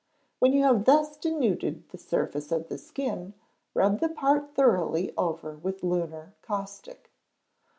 When you have thus denuded the surface of the skin, rub the part thoroughly over with lunar caustic.